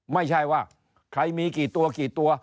ไม่ใช่ว่าใครมีกี่ตัวกี่ตัว